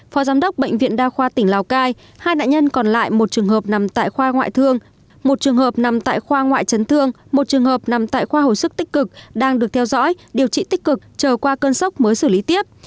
phó giám đốc bệnh viện đa khoa tỉnh lào cai hai nạn nhân còn lại một trường hợp nằm tại khoa ngoại thương một trường hợp nằm tại khoa ngoại chấn thương một trường hợp nằm tại khoa hồi sức tích cực đang được theo dõi điều trị tích cực chờ qua cơn sốc mới xử lý tiếp